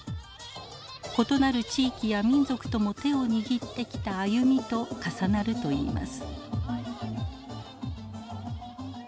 異なる地域や民族とも手を握ってきた歩みと重なるといいます。